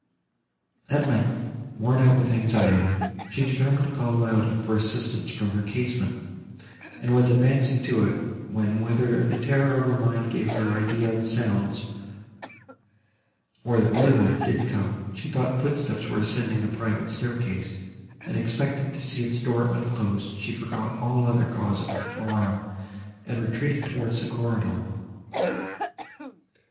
At length, worn out with anxiety, she determined to call loudly for assistance from her casement, and was advancing to it, when, whether the terror of her mind gave her ideal sounds, or that real ones did come, she thought footsteps were ascending the private staircase; and, expecting to see its door unclose, she forgot all other cause of alarm, and retreated towards the corridor.